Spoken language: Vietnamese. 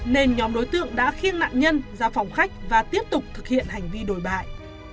nên nhóm đối tượng đã khiêng nạn nhân ra phòng khách và tiếp tục thực hiện hành vi đổi bại